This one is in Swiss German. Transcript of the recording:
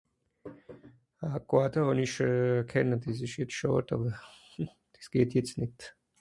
ah vorhaarde hàn ich euh kenne des esch jetzt schààd àwer es geht jetzt net